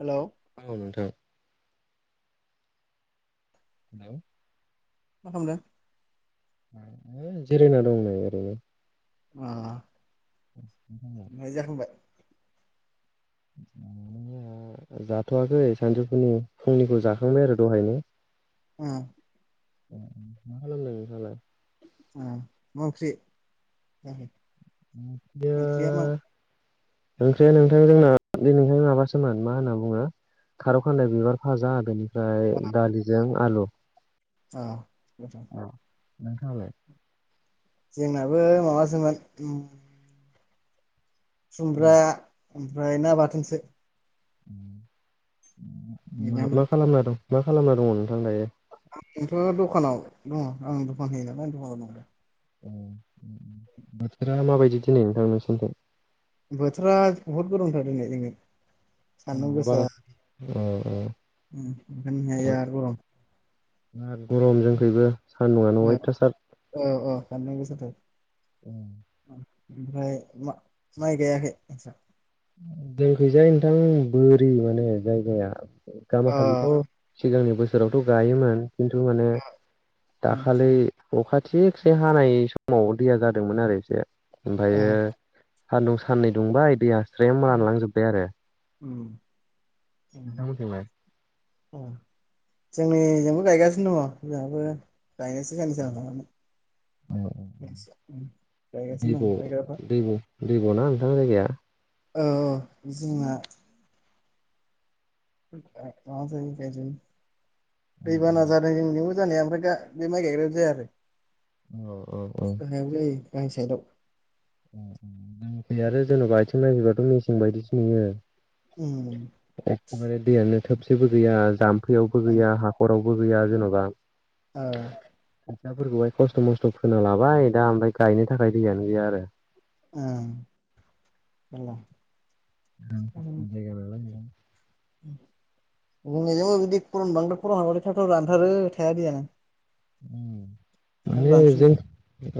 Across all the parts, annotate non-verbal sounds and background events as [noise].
Hello औ नोंथां हेल' [unintelligible] जिरायना दं न ओरैनो अ जाखोमबाय [unintelligible] जाथ'वाखै सानजौफुनि फुंनिखौ जाखांबाय आरो दहायनो। उम [inaudible] [unintelligible] ओंख्रिया मा [unintelligible] ओंख्रिया नोंथां जोंना दिनैथां माबासोमोन मा होनना बुङो? खारौ खानलाय बिबार फाजा आरोनिफ्राय दालिजों आलु। औ [inaudible] जोंनाबो माबासोमोन खुमब्रा ओमफ्राय ना बाथोनसो। मा बेनोमोन। मा खालामना दं मा खालामना दङ नोंथां दायो। आंथ' दखानाव दङ आं दखान होयो नालाय आं दखानाव दं। बोथोरा माबायदि दिनै नोंथां नोंसिरनिथिं बोथोरा बहुद गोरोंथार दिनै जोङो सान' सान्दुङा बारा गोसा औ ओंखायनो गरम दा गरमजोंखैबो सान्दुङा न'यथासार थनाय गोसा थार [unintelligible] ओमफ्राय माइ गायाखै नों दोनखैजाय नोंथां बोरि माने जायगाया अ गामाखालिथ' सिगांनि बोसोरावथ' गायोमोन। खन माने अ दाखलै अखाथि खसे हानाय समाव दैया जादोंमोन आरो एसे अ ओमफ्रायो सानदुं साननै दुंबाय दैया स्रेम रानलांजोबबाय आरो औ। मथामथिबाय [unintelligible] जोंनिजोंबो गायगासिनो दङ जोंहाबो जायस जानसनानै जाय ग न रायगाबा दैग'ना नोंथां जायगाया औ जोंना मा जाय फैबा औ नाजानाय जोंनिबो जानाया ओमफ्राय दा बे माइ गायग्रायो जाया आरो औ औ औ। गां साइ दाव दै आरो जेनेबा आथिं नायफैबाथ' मेसें बायदिसो नुयो। उम एखखबारे दैयानो थोबसेबो गैया जाम्फैयावबो गैया हाखरावबो। बो गैया जेन'बा ओ फैसाफोरखौहाय खस्थ' मस्थ' खोनालाबाय दा ओमफ्राय गायनो थाखाय दैयानो गैया आरो। ओं जायगा जोंजोंबो बिदि खबांर' खर हाबथाय थाथ' रानथारो थायाादि जानो माने जों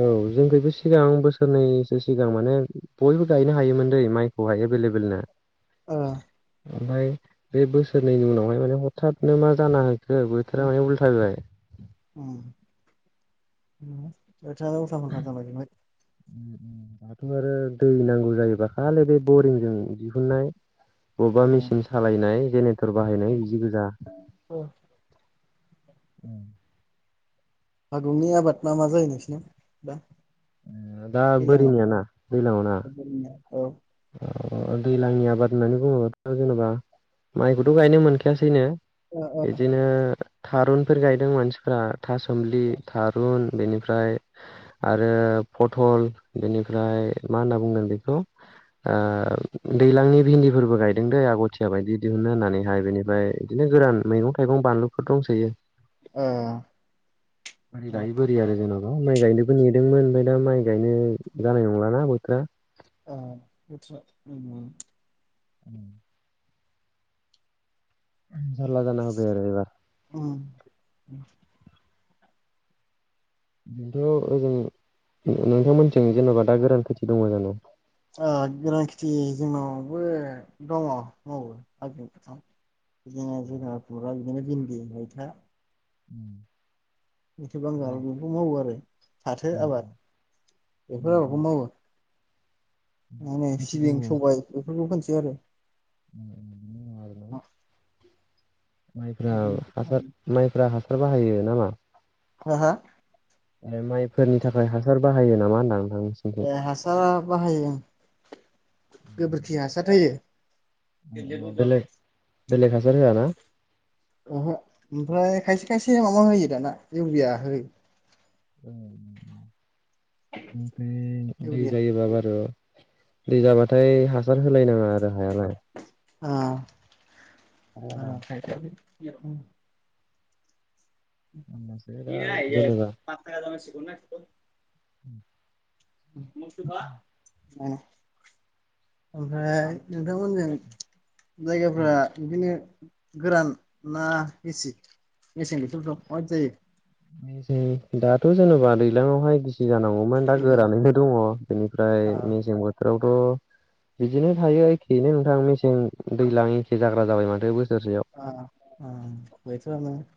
औ जोंखौबो सिगां बोसोरनैसो सिगां माने बयबो गायनो हायोमोन दै माइखौहाय एभेलेबेल ना [unintelligible] ओमफ्राय बे बोसोरनैनि उनावहाय माने हरथादनो मा जाना हो सोर बोथोरा उम मा उल्था बिबाय [unintelligible] दाथ' आरो दै नांगौ जायोबा खालि बे बरिंजों दिहुननाय बबेबा मेसिन सालायनाय जेनेरेटर बाहायनाय बिदि गोजा ओ औ। हागुंनि आबाद मा मा जायो नोंसिनाव दा दा दैलाङाव? बोरिनियाना दैलावना औ ओ अ दैलांनि आबाद होननानै बुङोब्लाथ' जेनेबा माइखौथ' गायनो मोनखायासैनो ओ बिदिनो थारुनफोर गायदों मानसिफ्रा थासुम्लि थारुन बेनिफ्राय आरो फटल बेनिफ्राय मा होनना बुंदों बेखौ दैज्लांनि भिन्दिफोरबो गायदों दै आग'थिया बायदि दिहुनो होननानैहाय बेनिफ्राय बिदिनो गोरान मैगं थाइगं बानलुफोर दंसैयो औ आदै दायो बोरि आरो जोंनाव माइ गायनोबो नेदोंमोन ओमफ्राय दा माइ गायनो जानाय नंलाना बोथोरा औ [unintelligible] उम जालला जाना होबाय आरो इबार ओं बेथ' ओजों नोंथांमोनथिं जेन'बा दा गोरान खेथि दङ जानो' औ गोरान खेथि जोंनावबो दङ मावो [unintelligible] जोंहा जोंहाफुरा बिदिनो भिन्दि मैथा उम मैथा बांगाल बेफोरखौ मावो आरो फाथो आबाद बेफोर आबादखौ मावो मा होनो खेथि सिबिं सबाय बेफोरखौ फोनसै आरो उम उम उम मा माइफ्रा हासार माइफ्रा हासार बाहायो नामा हा हा ए माइफोरनि थाखाय हासार बाहायो नामा होनदां नोंथां नोंसिनिथिं? ए हासारा बाहायो ओं गोबोरखि हासार होयो बेलेग [unintelligible] बेलेग हासार होआ ना ओहो ओमफ्राय खायसे खायसे माबा होयो दाना इउरिया होयो औ ओमफ्राय दै इउरिया जायोब बार' दै जाबाथाय हासार होलायनाङा आरो हायालाय आ मोजां [unintelligible] होमबासो दा [unintelligible] उम [unintelligible] ओमफ्राय नोंथांमोनजों जायगाफ्रा बिदिनो गोरान ना एसे मेसें बोथोर द माबायदि जायो दाथ' जेनेबा दैलाङावहाय [unintelligible] जानांगौमोन दा जायो? गोरानैनो दङ ओ बेनिफ्राय मेसें बोथोराव थ बिदिनो थायो एखेयैनो नोंथां मेसें दैज्लां एखे जाग्रा जाबाय माथो बो आ आ [unintelligible]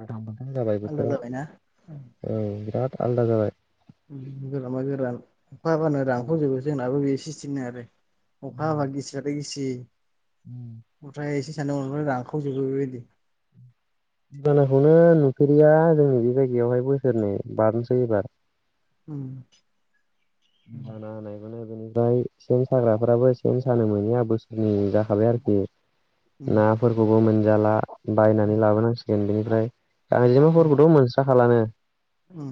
उलथां फाथां जाबाय बोथोराव औ बिराद आलदा जाबाय गोरानबा गोरान अखा हाबानो रानखावजोबो जोंनाबो बे सिस्टिमनो आरो अखा हाबा गिसिबाथाय गिसि ओमफ्राय [unintelligible] राखावजोबो बेबायदि बोलोखौनो नुफेरिया जोंनि बे जायगायावहाय बोसोरनै बारनोसै एबार उम [unintelligible] फ्राय सेन साग्राफोराबो सेन सानो मैया बोसोरनै जाखाबाय आरोखि उम नाफोरखौबो मोनजाला बायनानै लाबोनांसिगोन बेनिफ्राय उम गांजेमाफोरखौथ' मोनस्राखालानो उम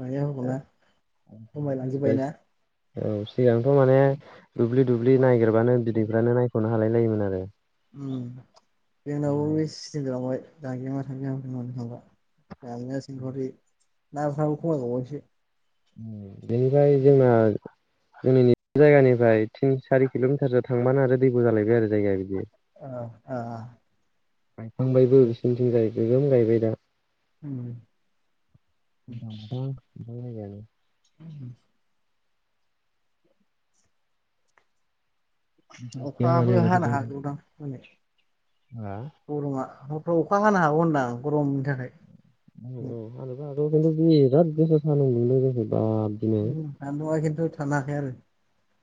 गांजेमाफोरखौ ना खमायलांजोब्बाय ना औ सिगांथ' माने दुब्लि दुब्लि नायगिरबानो बिदैफ्रानो नायख'नो हालाय लायिमोन आरो [unintelligible] गामनाय सिंखरि नाफ्राबो खमायबावावसो। बेनिफ्राय जोंना जोंनि जायगानिफ्राय थिन सारि किल'मिटारसो थांबानो आरो दैबो जालायबाय आरो जायगाया बिदि औ ओ गायखांबायबो ओ बिसोरनिथिं जाय गोगोम गायबाय दा उम [unintelligible] आ गैया माने अखायाबो हानो बोथोरजों हागौदां हानै औ गरमा हरफ्राव अखा हानो हागौ होनदां आं। गरमनि थाखाय औ [unintelligible] दिनै उम [unintelligible] खिथु थानो हाखाया आरो।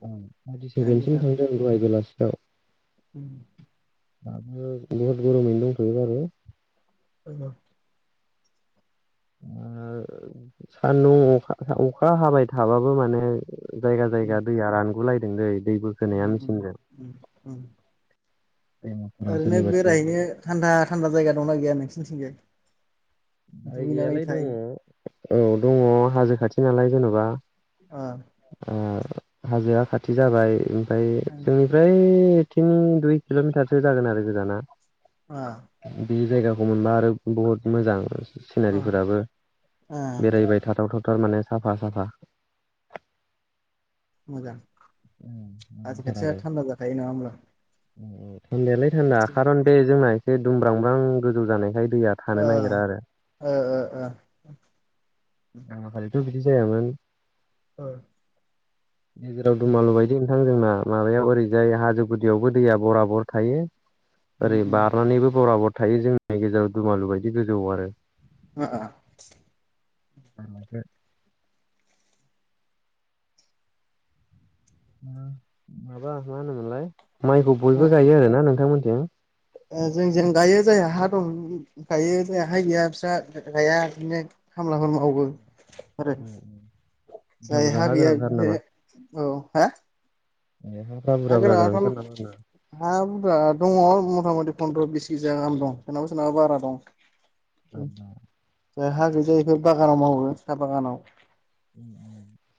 औ थार्टिसेभेनसिम थांदों दहाय बेलासियाव। उम दाबो बहुद गरमैनो दंथ'यो आरो। औ सान्दुं अखा अखा हाबाय थाबाबो माने जायगा उम जायगा दैया रानगुलायदों दै दै बोखोनाया उम उम मेचनजों उम उम ओरैनो बेरायहैनो थान्दा थान्दा जायगा दंना गैया नोंसोरनिथिंजाय? बाय गैयाालाय दङ औ दङ हाजो खाथि नालाय जेन'बा। ओ हाजोआ खाथि जाबाय ओमफ्राय जोंनिफ्राय थिनि दुइ किल'मिटारसो जागोन आरो गोजाना। आ बे जायगाखौ मोनबा आरो बुहुत मोजां ओ सिनारिफोराबो ओ बेरायबाय थाथावथाव। माने साफा साफा मोजां थार आसे आरो थान्दा दाखायो नामा होनबा? औ थान्दायालाय थान्दा खारन बे जोंना एसे दुमब्रांब्रां गोजौ जानायखाय। दैया ओ नागिरा ओ ओ ओ आरो। बिदि जायामोन। औ गेजेराव दुमालु बायदों। बिथांां जोंना माबायाव ओरैजाय हाजो गुदियावबो दैया बरा बर थायो। उम ओरै उम बारनानैबो बराबर थायो जोंनि गेजेराव दुमालु बायदि गोजौ आरो। अ आ माबा मा होनोमोनलाय माइखौ बयबो गायो आरोना नोंथांमोनथि जों जेन गायो जायहा हा दं गायो जायहा हा गैया बिस्रा गाया बिदिनो खामलाफोर मावो आरो बुरजा बुरजा जायहाा हा गैया गोनांथार नामा बिदिनो औ हा ए हाफ्रा [unintelligible] आ बुरजा बुरजा गोनांथार नामा होनदां दङ मथा मथि पन्द्र' बिस केिजि गाहाम दं सोरनावाबा सोरनावाबा बारा दं। अ जायहाा गैजाया बेफोर बागानाव मावो साहा बागानाव।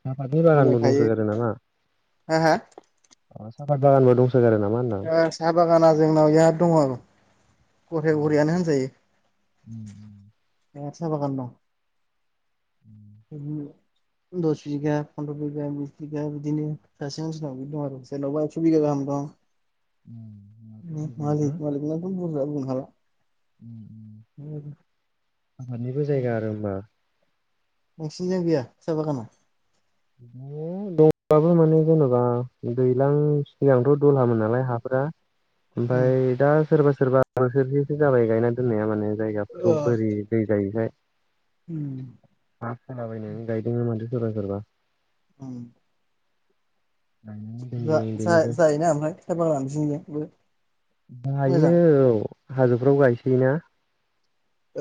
साफा दुरबा रानबो दंस' मिलायखायो जादों नामा? हा हा अ सफात बागानाव आ साहा बागाना जोंनाव इहा दङ। गघरे घरियानो होनजायो बे साहा बागान दं। उम दस बिगा फन्द्र' बिगा बिस बिघा बिदिनो सासे मानसिनाव बिदि दं आरो जनावबा एकस' बिगा गाहाम दं। मालि मालिनाथ' बुरजा बुंनो हाला आंहादानिबो जायगा आरो ओमबा नोंसिनिजों गैया सा बागाना दंबाबो माने जेनेबा दैज्लां सिगांथ' दलहामोन नालाय हाफोरा उम ओमफ्राय दा सोरबा सोरबा नोंसोरसो जाबाय गायना दोननाया माने जायगाफोरखौ बोरै दै गायोखाय उम हा सोलाबायनानै गायदों मादो सोरबा सोरबा [unintelligible] गायनानै जा दोनदों जा बेनिफ्राय जायोना ओमफ्राय थाइबा लानोफनबो गायो औ हाजोफ्राव गायसै ना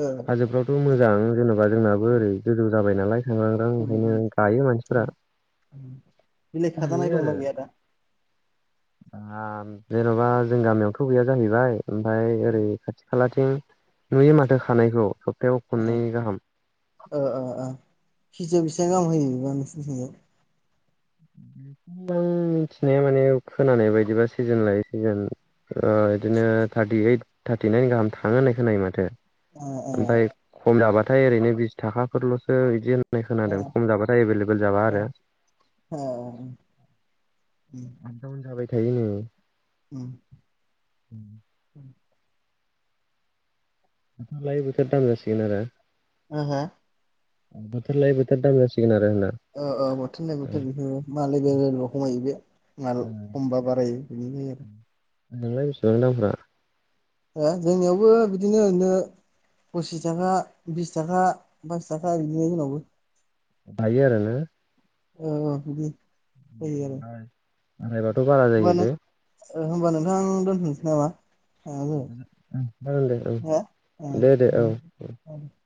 ओ हाजोफ्रावथ' मोजां जेन'बा जोंनाबो ओरै गोजौ जाबाय नालाय ांग्रां उम ओंखायनो उम गायो मानसिफोरा उम बिलाइ खाजानाय नुयो दंना आरो गैया दा? जेन'बा जों गामियावथ' गैया जाहैबाय ओमफाय ओरै खाथि खालाथिं नुयै माथो खानायखौ सप्तायाव औ खननै गाहाम फिजयाव बेसेबां गाहाम होयो [unintelligible] बे आं मिथिनाया माने खोनानाय बायदिबा सिजोन लायो सिजोन बिदिनो थार्टि ओइट थार्टिनाइन गाहाम थाङो होननाय खोनायो माथो। अ औ ओमफ्राय खम जाबाथाय ओरैनो बिस थाखाफोरल'सो बिदिनो नाय ओ खोनादों खम जाबाथाय एभेलेबेल जाबा आरो औ। आदाव जाबाय थायो। उम लायैबोथ दाम दसिना आरो हा हा बोथोर लायै बोथोर दाम जासिगोन आरो होनना औ औ बोथोर ननाय बोथोर बेखौ मालाय बे खमायो बे नाल खमबा बाराय बिदि आरो नोंलाय बेसेबां दामफोरा ए जोंनियावबो बिदिनो ओरैनो फसिस थाखा बिस थाखा बस थाखा बिदिनो जनावबो बाय आरोना औ बिदि जायो आरो मायबाथ' बारा जायो बे ओमबा नोंथांं दोनथ'नोसै नामा? जागोन दे औ दे दे औ [unintelligible]